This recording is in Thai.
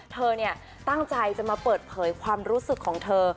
เธอตั้งใจจะมาเปิดเผยความรู้สึกของเธอ